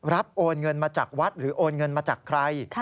โอนเงินมาจากวัดหรือโอนเงินมาจากใคร